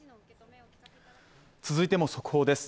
続いても速報です。